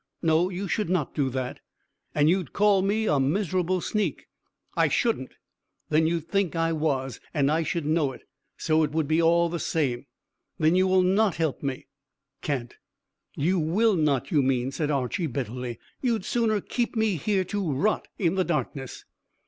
"No; you should not do that." "And you'd call me a miserable sneak." "I shouldn't." "Then you'd think I was, and I should know it, so it would be all the same." "Then you will not help me?" "Can't." "You will not, you mean," said Archy bitterly. "You'd sooner keep me here to rot in the darkness."